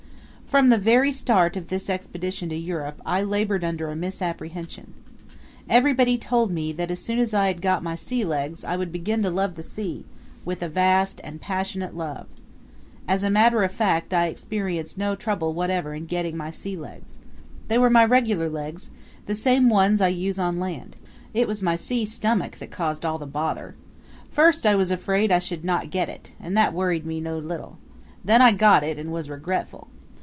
From the very start of this expedition to Europe I labored under a misapprehension. Everybody told me that as soon as I had got my sea legs I would begin to love the sea with a vast and passionate love. As a matter of fact I experienced no trouble whatever in getting my sea legs. They were my regular legs, the same ones I use on land. It was my sea stomach that caused all the bother. First I was afraid I should not get it, and that worried me no little. Then I got it and was regretful.